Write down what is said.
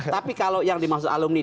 tapi kalau yang dimaksud alumni